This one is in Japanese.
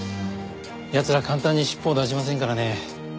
奴らは簡単に尻尾を出しませんからね。